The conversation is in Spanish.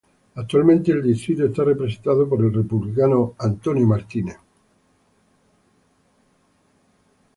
Actualmente el distrito está representado por el Republicano Scott Perry.